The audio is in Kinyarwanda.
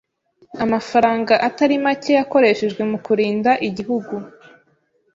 Amafaranga atari make yakoreshejwe mu kurinda igihugu.